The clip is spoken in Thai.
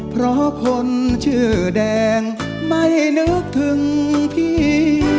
เพราะคนชื่อแดงไม่นึกถึงพี่